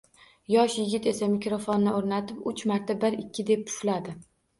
Yosh yigit esa mikrofonni o`rnatib, uch marta bir-ikki deb pufladi